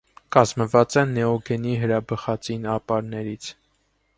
Կազմված է նեոգենի հրաբխածին ապարներից։